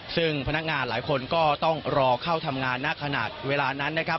ซึ่งพนักงานหลายคนก็ต้องรอเข้าทำงานณขนาดเวลานั้นนะครับ